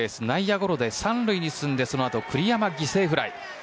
内野ゴロで３塁に進んでそのあと栗山、犠牲フライ。